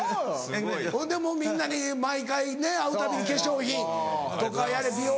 ほんでもうみんなに毎回ね会うたびに化粧品とかやれ美容。